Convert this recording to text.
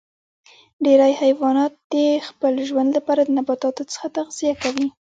ډیری حیوانات د خپل ژوند لپاره د نباتاتو څخه تغذیه کوي